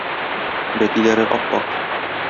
Бәтиләре ап-ак.